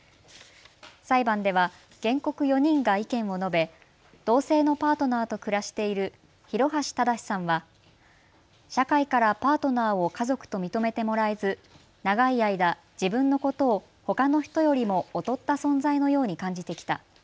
裁判では原告４人が意見を述べ同性のパートナーと暮らしている廣橋正さんは社会からパートナーを家族と認めてもらえず長い間、自分のことをほかの人よりも劣った存在のように感じてきた。